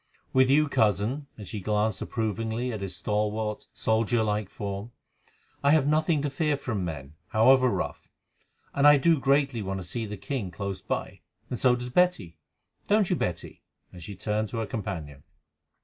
"With you, Cousin," and she glanced approvingly at his stalwart, soldier like form, "I have nothing to fear from men, however rough, and I do greatly want to see the king close by, and so does Betty. Don't you, Betty?" and she turned to her companion.